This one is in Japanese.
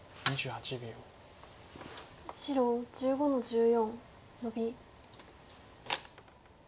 白１５の十四ノビ。